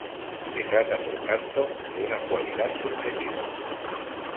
Se trata por tanto de una cualidad subjetiva.